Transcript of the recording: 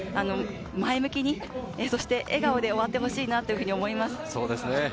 前向きに笑顔で終わってほしいなと思います。